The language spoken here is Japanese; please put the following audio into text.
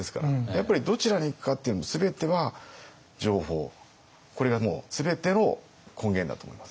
やっぱりどちらに行くかっていうのも全ては情報これが全ての根源だと思います。